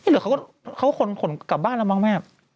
หรือเขาขนกลับบ้านแล้วบ้างไหม